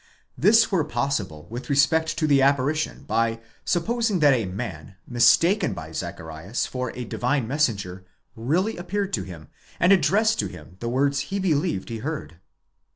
This were possible with respect to the appari tion, by supposing that a man, mistaken by Zacharias for a divine messenger, really appeared to him, and addressed to him the words he believed he heard.